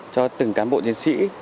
cho từng cán bộ chiến sĩ